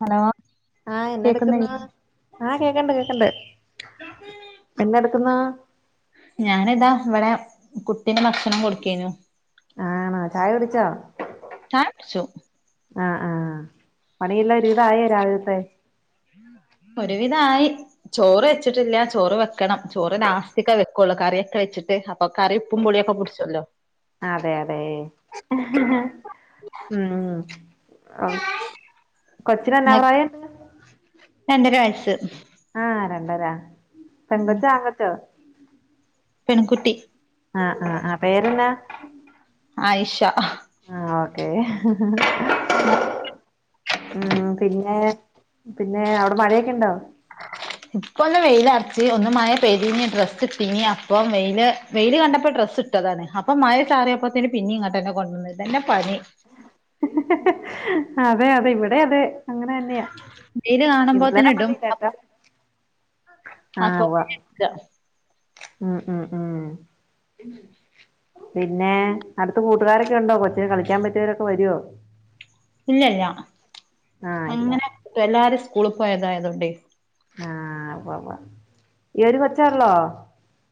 Hello ആഹ് എന്ന എടുക്കുന്നു കേക്കുന്നില്ലേ ആഹ് കേക്കണ്ട് കേക്കണ്ട് എന്ന എടുക്കുന്നു ഞാനിതാ ഇവിടെ കുട്ടിന്റെ ഭക്ഷണം കൊടുക്കുഅയിനു ആണോ ചായ കുടിച്ചോ ചായ കുടിച്ചു ആഹ് ആഹ് പണില്ല ഒരു വിതം ആയോ രാവിലത്തെ ഒരുവിധായി ചോറ് വെച്ചിട്ടില്ല ചോറ് വെക്കണം ചോറ് ലാസ്റ്റ് ക്ക വെക്കുള്ളൂ കറി ഒക്കെ വെച്ചിട്ട് അപ്പോ കറി ഉപ്പും പുളിയൊക്കെ പിടിച്ചല്ലോ അതെ അതെ ഉം ആഹ് കൊച്ചിനന്നെ ഇങ്ങക്ക് പ്രയം ഉണ്ട് രണ്ടര വയസ്സ് ആഹ് രണ്ടരാ ഉം പെങ്കച്ചോ അങ്കച്ചോ പെൺകുട്ടി ആഹ് ആഹ് ആഹ് പേര്ന്താ ആയിഷ ആഹ് ഓക്കേ ഉം പിന്നെ പിന്നെ അവിടെ മഴയൊക്കെ ഉണ്ടോ ഇപ്പൊ ഒന്ന് വെയില അടച്ചി ഒന്ന് മായ പേതിനി ഡ്രസ്സ് ഇട്ടിനി അപ്പം വെയില് വെയില് കണ്ടപ്പോ ഡ്രസ്സ് ഇി ട്ടതാണ് അപ്പൊ മയ ചാറിയപ്പോത്തന് പിന്നെ ഇങ്ങോട്ട് തന്നെ കൊണ്ടുവന്നുന്നെ പണി അതെ അതെ ഇവിടെ അതെ അങ്ങനെ തന്നെയാ വെയില് ഇന്നലെ കാണുമ്പോത്തിന് ഇടും മഴയില്ലാട്ട അപ്പൊ [unintelligible] ഉം ഉം ഉം പിന്നെ അടുത്ത് കൂട്ടുകാരൊക്കെ ഉണ്ടോ കൊച്ചിന് കളിക്കാൻ പറ്റിയവരൊക്കെ വരുവോ ഇല്ല ഇല്ല ആഹ് ഇല്ല അങ്ങനെ എല്ലാരും സ്കൂളിൽ പോയതായതുകൊണ്ടെ ആഹ് ഉവ്വ ഉവ്വ ഈ ഒരു കൊച്ചെ ഒള്ളോ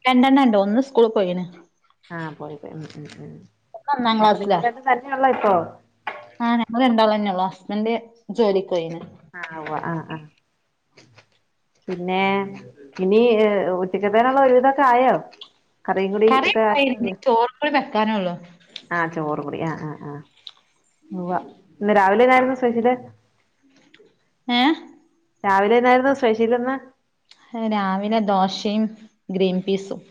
രണ്ടെണം ഉണ്ട് ഒന്ന് സ്കൂളിൽ പോയിന് ആഹ് പോയി പോയി ഉം ഉം ഉം ഒന്ന് ഒന്നാം അപ്പൊ നിങ്ങൾ രണ്ടും തന്നെ ഓളോ ഇപ്പൊ ആഹ് ഞങ്ങൾ രണ്ടാളും തന്നെയ ഉള്ളൂ ഹസ്ബൻഡറ് ജോലിക്ക് പോയിന് ആഹ് ആഹ് ആഹ് പിന്നെ ഇനി ഉച്ചക്ക്ത്തനുള്ള ഒരുവിധൊക്കെ ആയോ കറിയും കൂടി ഒക്കെ കറിയോക്കെ ആക്കിയാ ആയിനി മതിയോ ചോറ് കൂടി വെക്കാനോള്ളു ആഹ് ചോറ്ക്കുടി ആഹ് ആഹ് ആഹ് ഉവ്വ ഇന്ന് രാവിലെന്നായിരുന്നു സ്പെഷ്യല് ഏഹ് രാവിലെ എന്തായിരുന്നു സ്പെഷീൽന്ന് രാവിലെ ദോശയും ഗ്രീൻ പീസും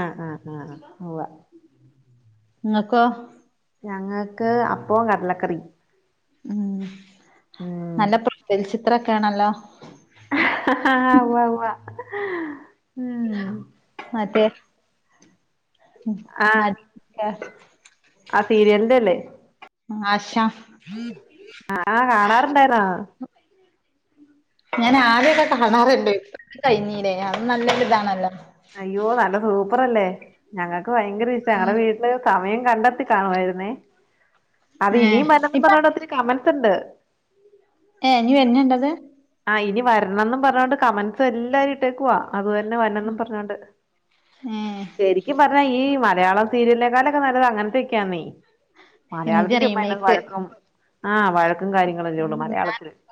ആഹ് ആഹ് ആഹ് ഉവ്വ ഇങ്ങക്കോ ഞങ്ങക്ക് അപ്പം കടലക്കറി ഉം ഉം നല്ല പ്രചലചിത്രൊക്കെയ ആണല്ലോ ആ ഉവ്വ ഉവാ ഉം മത്തേ ആഹ് ആ സീരിയലിന്റെ അല്ലേ അശ ആഹ കാണാറുണ്ടായിന്നോ ഞാൻ ആരെയൊക്കെ കാണാറണ്ട് കഴഞ്ഞീലേ അത് നല്ല ഇതാണല്ലോ അയ്യോ നല്ല സൂപ്പർല്ലേ ഞങ്ങൾക്ക് ഭയങ്കര ഇഷ്ട ഉം ഞങ്ങളടെ വീട്ട സമയം കണ്ടെത്തി കാണുുവമായിരുന്നേ അത് ഏ ഇനിയും വരന്ന് ഇപ്പ പറഞ്ഞണ്ട് ഒത്തിരി കമനസുണ്ട് ഏ ഇനി വന്നെയ ഉണ്ടത് ആ് ഇനി വരണംന്നും പറഞ്ഞോൊണ്ട് കമൻസ് എല്ലാ ഇട്ടേക്ക്വാ അത് തന്നെ വനും പറഞ്ഞോണ്ട് ഏ ശ എനിക്ക് പറഞ്ഞ ഈ മലയാളം സീരിയലിനക്കളൊക്കെ നല്ല അങ്ങനത്തെൊക്കെയാന്നീ ഹിന്ദി മലയാളത്തിൽ ചുമ റീമേക്ക് വഴക്കും ആഹ വഴക്കും കാര്യങ്ങള ഉ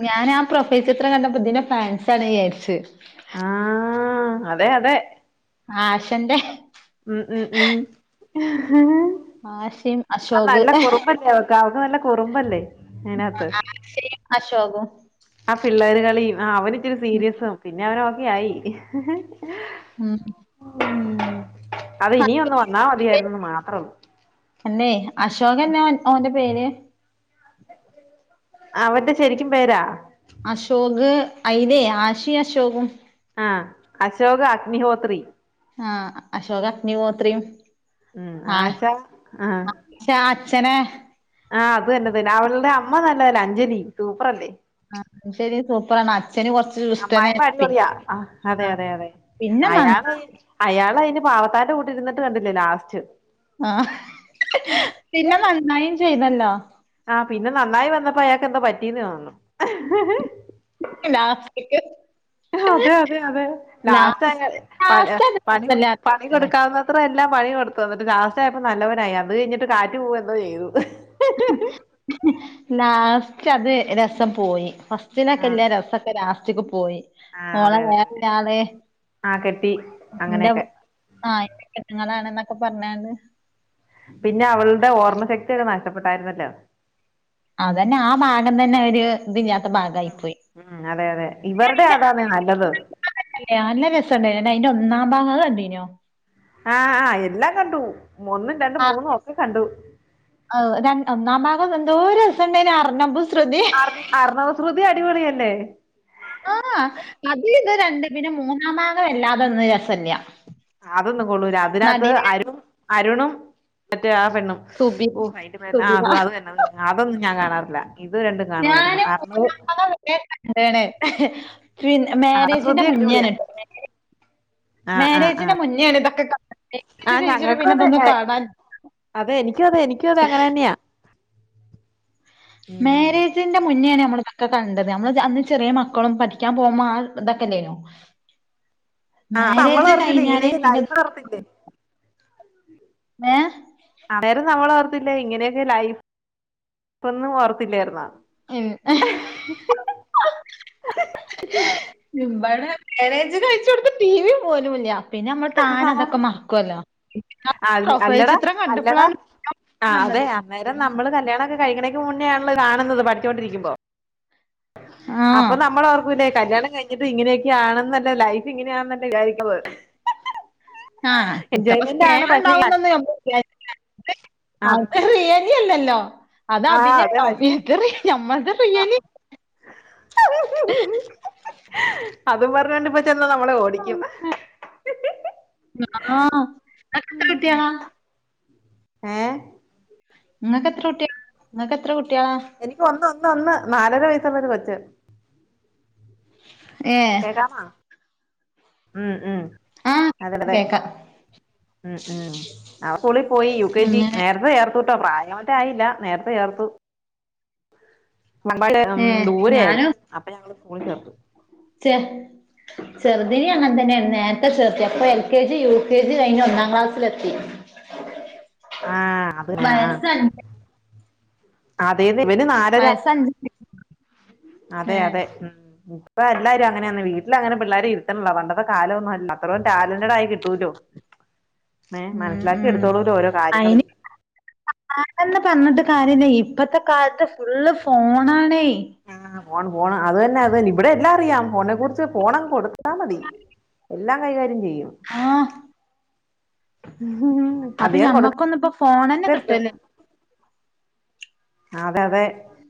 ഞാൻ ഞാൻ ആ പ്രൊഫൈൽ ചിത്രം കണ്ടപ്പോ ഇതിെ ഫാൻസ ആണ് വിചാരിച്ചു ആഹ അതെ അതെ ആശന്റെ ഉ ഉം ഉം ആഷിം ആ അശോക് നല്ല കുറുമ്പല്ലേ അവക്ക് അവക്ക് നല്ല കുറുമ്പല്ലേ അതിനകത്ത് ശ അശോകു ആ പിള്ളേര് കളിയും അവന ഇച്ചിരി സീരിയസ പിന്നെ അവനൊക്കെ ആയി ഉം ഉ അത് ഇനിയ ഒന്ന് വന്നാൽ മതിയായിരുന്ന് മാത്രള്ളൂ അല്ലെ അശോക് എന്നാ ഓന്റെ പേര് അവന്റെ ശരിക്കും പേരാ അശോക് അയ്ലെ ആശി അശോകും ആഹ് അശോക് അഗ്നിഹോത്രി ആഹ് അശോക് അഗ്നി മോത്രയും ഉം ആച്ച ആഹ് പക്ഷേ അച്ഛനെ ആഹ് അത് തന്നെ തന്നെ അവളുടെ അമ്മ നല്ലതല്ല അഞ്ജലി സൂപ്പർ അല്ലേ ആ സോപ്പറാണ് അച്ചന് വർ അമ്മായിമ്മ അടിപൊളിയാ അതെ അതെ അതെ പിന്നെ നന്ന അയാള് അയാൾ അതിന് പാവത്താന്റെ കൂട്ടി ഇരുന്ന് കണ്ടില്ലേ ലാസ്റ്റ് ആ പിന്നെ നന്നായും ചെയ്തല്ലോ ആഹ പിന്നെ നന്നായി വന്നപ്പോ അയാക്ക്ന്താ പറ്റീന്ന് വന്നു ലാസ്റ്റ്ക്ക് അതെ അതെ അതെ ലാസ്റ്റ് ആ ലാസ്റ്റ് അത് പണ പണി രസല്ലാതായിക്ക്ണ് കൊടുക്കാവുന്ന അത്ര എല്ലാം പണി കൊടുത്തു എന്നിട്ട് ലാസ്റ്റ് ആപ്പോ നല്ലവനായി അന്ന് കഴിഞ്ഞിട്ട് കാറ്റ് പോവന്തോ ചെയ്തു ഉ ലാസ്റ്റ് അത് രസം പോയി ഫസ്റ്റിനൊക്കെ ആഹ് ഇല്ല രസമൊക്കെ ലാസ്റ്റക്ക് പോയി ആഹ് അതെ മോളെ അതെ അതെ വേറെളെ ആഹ് കെട്ടി എന്റെ അങ്ങനെയൊക്കെ ആഹ് ജനങ്ങളാാണ് എന്നൊക്കെ പറഞ്ഞത് പിന്നെ അവളുടെ ഓർമ്മ ശക്തിയൊക്കെ നഷ്ടപ്പെട്ടായിരുന്നല്ലോ അതതന്നെ ആ ഭാഗം തന്നെ അവര് ഇതിന്നാത്ത ഭാഗയി പോയി ഉ അതെ അതെ ഇവരുടെ അയിന്റെ അതാാണ്നല്ലത് [unintelligible] അയിന്റെ ഒന്നാം ഭാഗത് കണ്ടീനോ ആഹ് ആഹ എല്ലാം കണ്ടു ഒന്നും രണ്ടും മൂന്നും ഒക്കെ കണ്ടു ര ഒന്നാം ഭാഗം എന്തോ രസംമു ണ്ടേ അറിഞ്ഞമ്പ ശ്രദ്തി [unintelligible] അ അർണവ ശമൃതി അടിപൊളി തന്നെ ആ ആ അത് ഇത് രണ്ട് പിന്നെ മൂന്നാഭാഗം വല്ലാതെന്ന് ഇന്ന് റസല്യാ അതൊന്നും കൊള്ളൂില്ല അതിനകത്ത് അരു അരുണും മറ്റേ ആ പെണ്ണും സുബിൻ ഓഹായിട്ട ആ ആ സുബിന ക [unintelligible] അതൊന്നും ഞാൻ കാണാറില്ല ഇത് രണ്ടും കാണുവായിരുന്നു അത് കന്താണ് പി മാരേജിന്റെ അണശ്രുതി മുന്നേൻ അടിപൊളിയാ കേട്ടോ [unintelligible] ആ ആ ആ മാര്ാരേജിന്റെ മുന്നോണ് ഇതൊക്കെ കാ ണ് ആ ജ് കഴിച്ച് ഞങ്ങൾക്കും പിന്നെ അതെ ഇതൊന്നന്ന് കാണാൻ അതെ എനി ക്കും എനി ക്കു അതെ അങ്ങെ തന്നെയാ ഉം മാരേജിന്റെ മുന്നോണ് നമ്മളതൊക്ക കണ്ടത് നമ്മള് അന്ന് ചെറിയ മക്കളും പഠിക്കാൻ പോകുമ്പോൾ ആ തക്കെന്തേനു ആ തമ്മ വർത്തില്ല കഴിഞ്ഞാലേ ഇങ്ങനെയൊക്ക പിന്നെ ലൈട്ട് വർത്തില്ലേ [unintelligible] ഏഹ് അതേരും ഞമ്മളെ ഓർ ന്താ ഇങ്ങനെയൊക്കെ ലൈഫ്ഒന്നും ഓർത്തില്ലായിരുന്നാ ഉ [unintelligible] ഹേ ഹെ മ്പടെ മാരാജ് കഴിചോടുത്ത് ടി വിും പോലുല്ല പിന്നെ അമ്മൾ തൻ അതൊക്കെ മാറ ക്കുവല്ലോ അ പ്രൊഫൈൽ ചിത്രം കണ്ടപ്പോളാണ് ആഹ് അതെ അന്നേരം നമ്മള് കല്യാണക്കെ കഴിക്കണേക്ക് മുന്നേ ആൺള്ളത് കാണുന്നത് പഠിച്ചുകൊണ്ടിരിക്കുമ്പോ ആ അപ്പൊ നമ്മൾ ഓർക്കുലേ കല്യാണം കൈഞ്ഞി ഇത് ഇങ്ങനെയൊക്കെയാണെന്നല്ലേ ലൈഫ് ഇങ്ങനെയണല്ലേ വിചാരിക്കുമ്പോൾ ആഹ ഇത്തെറെ ആണ് പക്ഷെ സ്നേഹണ്ടാവുന്നൊന്ന് ഞമ്മ്ള് വിചാരികുന്നത് അതെ [unintelligible] യല്ലല്ലോ? അത് ആഹ് അതെ അഭിനേണോ പക്ഷെ ബേക്കറി നമ്മൾത്തെ ആ പ്രിയ്യനി ഹേ ആഹ് ഹഹഹ അതും പറഞ്ഞണ്ട് പറ്റ് നമ്മള ഓടിക്കും. ഹി ഹി ഹി ആഹ എത്ര കിട്ടിയാൽ [unintelligible] ഏഹ് ങ്ങക്ക്എത്ര കുട്ടി ഇങ്ങകെത്ര കുട്ടിയേളാ? എനിക്ക് ഒന്ന് ഒന്ന് ഒന്ന് നാലര വയസ്സുള്ള ഒരു കൊച്ച ഏ എടാ എടാ ഉം ഉം ആ അതടവെ കേക്കാം ഉം ഉം അസ്കൂളിൽ പോയി യു കെ ജി അങ്ങനെ നേരത്തെചേർ തുട്ടോ പ്രായം മറ്റ ആയില്ല നേരത്തെ ചേർതു. ഞമ്മള് ഉം ഏ ദൂരെ ആയിരുന്നു അപ്പൊ ഞങ്ങള് സ്കൂളിൽ ചേർത്തു ഛെ ചെറുദിനീ അങ്ങ്ൻതന്നെ നേരത്തെ ചേർത്തി അപ്പൊ L K G U K G കയീ ഞ് ഒന്നാം ക്ലാസ്സിലെത്തി. [inaudible] ആഹ് അതിനെ വ യസൻ--ന്ജ് അതേത് ഇവനന് നാലരാ വയസ്സ് അഞ്ച് അതെ ഏ അതെ ഉം ഇപ്പ എല്ലാരും അങ്ങനെയന്ന് വീട്ട്ൽ അങ്ങനെ പിള്ളേരെ ഇരുത്തണ്ട പണ്ടത്തെ കാലംവൊന്നും അല്ല അത്രം ടാലന്റഡ ആയി കിട്ടൂല്ലോ ഏ ഉം മനസ്സിലാക്കി എടുത്തോളൂലോ ഓരോ കാര്യങ്ങള് ആരണ്പറഞ്ഞിട്ട് കാര്യല്ല ഇപ്പത്തെ കാലത്ത് ഫുള്ള് ഫോണാണേ. യ് ആ ഫോൺ ഫോണ് അത് തന്നെ അത് ഇവിടെ എല്ലാം അറിയാം ഫോണെ കുറിച്ച് ഫോണങ് കൊടുത്താ മതി. എല്ലാ കൈകാര്യം ചെയ്യും. ആഹ് അപ്പൊ അധികം ഞമ്മക്കൊന്ന് ഇപ്പൊ ഫോണെന്നെ കൊടുക്കരുത് കിട്ടല് അതെ അതെ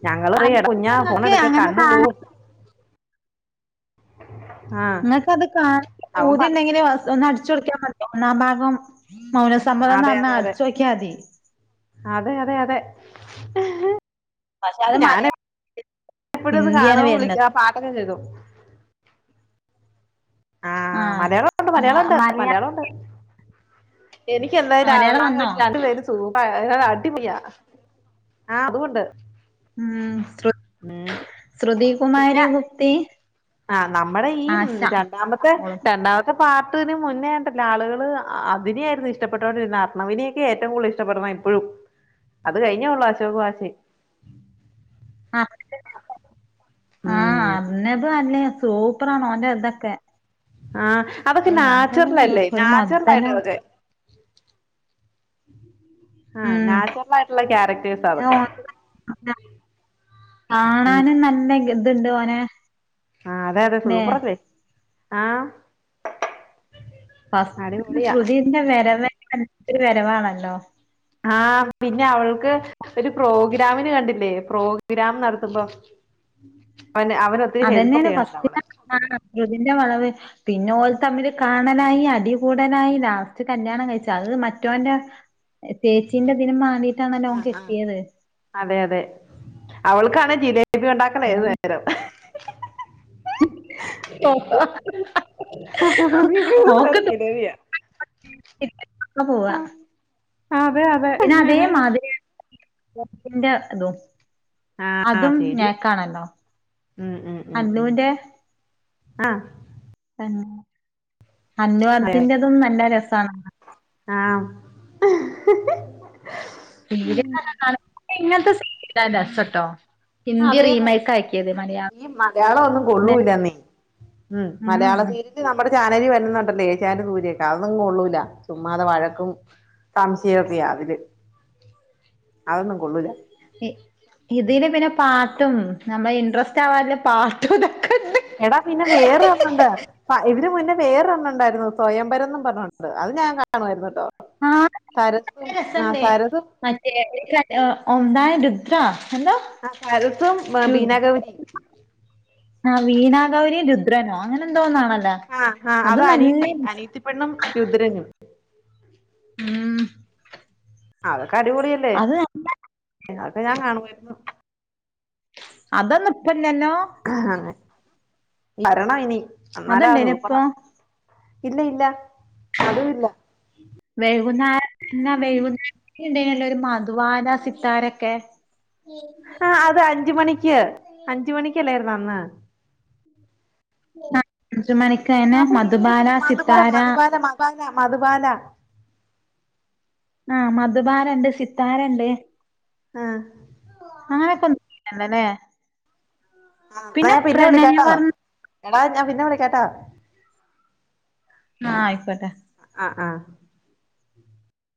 ഞങ്ങളെറിയു കുഞ്ഞഫോണ നിങ്ങക്ക് എടുക്ക അങ്ങനെ കണ്ണ് പോവും. കാണാം ആഹ് ങ്ങക്ക് അത് കാണ അവൻ പറ പ്പൂതിണ്ടെങ്കിൽ ഒന്നടിചോടിക്കാൻ മതി ഒന്നാ ഭാഗം മൗന സമ്മതന്നന്ന് അതെ അന്നാ അതെ അതെ ചോയിക്കാതെ അതെ അതെ അതെ പക്ഷെ അത് മതിയാ എപ്പോഴന്ന് കാണുവോ വിളിച ആ പാട്ടൊക്കെ കേക്കു. ആഹ് മലയാളക്കൊണ്ട് മ മലയാളം ഉണ്ട്. മലയാ മലയാളം ഉണ്ട്. എനിക്ക് എന്തായാലും മലയാളം എറങ്ങാൻ വന്നോ പറ്റില്ല. അത് വരു [unintelligible] അടിപൊളിയാ ആഹ അതുണ്ട്. ഉം ശ്രു ഉം പിന്നെ ത്തി ആ നമ്മുടെ ഈ രണ്ടാമത്തെ ഓള് രണ്ടാമത്തെ അ പാട്ടിന് മുന്നേണ്ടല്ല ആളുകള് അതിനെയായിരുന്നു ഇഷ്ടപ്പെട്ടൊണ്ടിര്ന്നെ അർണവിനെക്കെയാ ഏറ്റവും കൂടുതൽ ഇഷ്ടപ്പെടണേ ഇപ്പഴും. അത് കഴിഞ്ഞേ ഉള്ളൂ അശോകും ആശേം. ആ [unintelligible] ഉം അന്നേപ്പാന്നെ സൂപ്പറാന്ന് ഓന്റെ ഇതൊക്കെ ആഹ് അതൊക്കെ ഓന്റത് നാച്ചുറലല്ലേ ഒരു നാച്ചുറൽ ആയിട്ട് മൊതലാ അതൊക്കെ. [inaudible] ആഹ ഉം നാച്ചുറലായിട്ടുള്ള ക്യാരക്ടേഴ്സാ അതൊക്കെ. ഉം നല്ലേങ്കിൽ ഇതെന്തുവോന് ആഹ അതെ അതെ സൂപ്പറല്ലേ ആഹ [unintelligible] വെരവാണല്ലോ ആഹ് പിന്നെ അവൾക്ക് ഒരു പ്രോഗ്രാമിന് കണ്ടില്ലേ. പ്രോഗ്രാം നടത്തുമ്പോ അവന് അവന് ഒത്തിരി ഹെൽപ്പ് ചെയ്യണുണ്ട് അവളെ ആ ഇതിന്റെ വളവ്. പിന്നെ ഓൽ തമ്മില് കാ ന്നലായി അടികൂടലായി ലാസ്റ്റ് കല്യാണം കഴിച്ച്. അതി മറ്റോന്റെ തേച്ചീന്റെ പിന്നെ മാന്തിട്ടാണല്ലോ ഓൻ കെട്ടിയത്. അതെ അതെ. അവൾക്കാണെ ജിലേബി ഒണ്ടാക്കലായ്രുന്നു ഓന് ഏതു നേരം. [inaudible] ഓക്ക് ജിലേബിയാ [unintelligible] പോവ അതെ അതെ. പിന്നെ അതേ മാതിരി [unintelligible] ന്റെ തും. ആഹ് അതും ശരിയാ നേക്കാണല്ലോ ഉം ഉം ഉം ഉം അല്ലുവിന്റെ ആഹ്. അല്ലു അർജിന്റതും നല്ല രസാണ് കാ ആം [unintelligible] ഹിന്ദി അതെന്നേ റീമേക്ക് ആക്കിയത് മലയാളത്തിന് ഈ മലയാളം ഒന്നും കൊള്ളൂല്ലന്നേ. മ് മലയാള ഉം സീരി [unintelligible] നമ്മടെ ചാനലി വരുന്നുണ്ടന്നേ ഏഷ്യറ്റ് സൂര്യക്കെ അതൊന്നും കൊള്ളൂല ചുമ്മാതെ വഴക്കും സംശയയോക്കെയ അതില്. അതൊന്നും കൊള്ളൂല. ഇതില് പിന്നെ പാട്ടും. നമ്മെ ഇൻട്രസ്റ്റ് ആവാല്ലേ പാട്ടും ഇതൊക്കെ എടാ പിന്നെ വേറെ ഒന്നുണ്ട് ഇതിന് മുന്നേ വേറൊരണണ്ടായിരുന്നു സ്വയംഭരം പറഞ്ഞോണ്ട്. അത് ഞാൻ കാ കാണുവായിരുയിന്നുട്ടോ. ആ നല്ല രസണ്ട് [unintelligible] മറ്റേ [unintelligible] ഒന്നായ രുദ്ര എന്തോ ആ ഭരത്തും രുദ് ബീനാഗൗരിം. ആ വീണാഗൗരി രുദ്രനോ അങ്ങനെ എന്തോന്നാണല്ലോ. ആഹ് ഹ ഹാ അത് അനിയത്തി. അനിയത്തി പെണ്ണും രുദ്രനും. ഉം.. അതൊക്കെ അടിപൊളിയല്ലേ. അത് അതൊക്കെ ഞാൻ കാണുവായിരുന്നു. അതൊന്നുപ്പാലില്ലല്ലോ? അ ഹാ വരണം ഇനി. എന്നാലാ സൂപ്പറാ അതുണ്ടേനിപ്പോ ഇല്ല ഇല്ല. അതും ഇല്ല. വയ്യ്കുന്നേരം പിന്നെ വയ്യ്കുന്നേര ണ്ടയ്നല്ലോ ഒരു മധുവാല സിത്താരൊക്കെ. ആ അത് അഞ്ച് മണിക്ക് അഞ്ച് മണിക്കല്ലായ്ര്ന്നൊ അന്ന്? ആ അഞ്ച് മണികേനെ മധുബാല സിത്താര മധുപാല ആഹ് മധുബാലണ്ട് സിത്താരണ്ട് ആഹ്.. അങ്ങനോക്കെ ൺ ണ്ടല്ലോ ലെ? ആ പ്ലെ ഞാൻ പിന്നെ വിളിക്കാട്ടോ പ്രണയവർണ്ണ എടാ ഞാ പിന്നെ വിളിക്കാട്ടാ? ആഹ ആയിക്കോട്ടെ. ആഹ് ആഹ്.